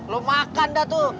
lo makan dah tuh